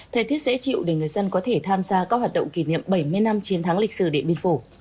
thời tiết dễ chịu để người dân có thể tham gia các hoạt động kỷ niệm bảy mươi năm chiến thắng lịch sử điện biên phủ